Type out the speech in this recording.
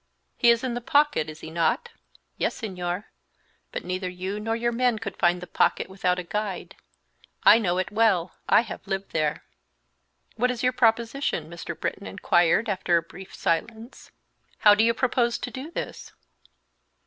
"He is in the Pocket, is he not?" "Yes, Señor, but neither you nor your men could find the Pocket without a guide. I know it well; I have lived there." "What is your proposition?" Mr. Britton inquired, after a brief silence; "how do you propose to do this?"